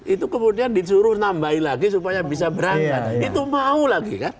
itu kemudian disuruh nambahin lagi supaya bisa berangkat itu mau lagi kan